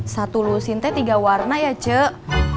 satu lusin teh tiga warna ya cek